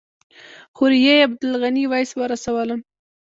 خوريي عبدالغني ویس ورسولم.